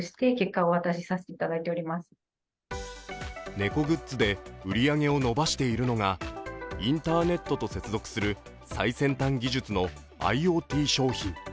猫グッズで売上を伸ばしているのが、インターネットと接続する最先端技術のＩｏＴ商品。